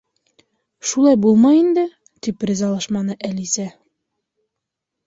Шулай булмай инде, —тип ризалашманы Әлисә.